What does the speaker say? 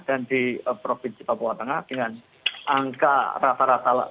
dan di provinsi papua tengah dengan angka rata rata lama sekolah